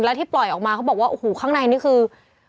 แล้วที่ปล่อยออกมาเขาบอกว่าโอ้โหข้างในนี่คือ